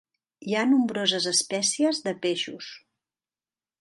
Hi ha nombroses espècies de peixos.